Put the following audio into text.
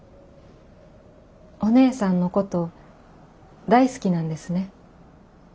お姉さんのこと大好きなんですね。